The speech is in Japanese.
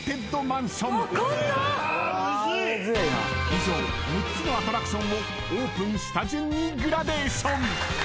［以上６つのアトラクションをオープンした順にグラデーション］